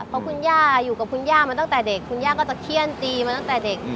เพราะคุณย่าอยู่กับคุณย่ามาตั้งแต่เด็กคุณย่าก็จะเขี้ยนตีมาตั้งแต่เด็ก